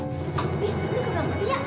eh ini gue nggak berhenti ya